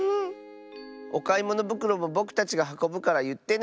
おかいものぶくろもぼくたちがはこぶからいってね。